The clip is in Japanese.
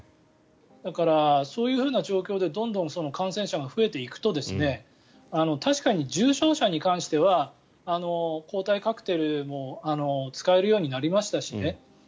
だから、そういう状況でどんどん感染者が増えていくと確かに重症者に関しては抗体カクテルも使えるようになりましたしね。